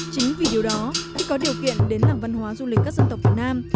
chính vì điều đó khi có điều kiện đến làng văn hóa du lịch các dân tộc việt nam